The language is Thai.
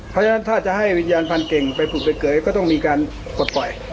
เพราะฉะนั้นถ้าจะให้วิญญาณพันธเก่งไปผุดเกยก็ต้องมีการปลดปล่อย